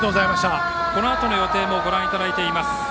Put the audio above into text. このあとの予定もご覧いただいています。